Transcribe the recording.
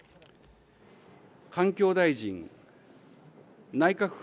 環境大臣、内閣府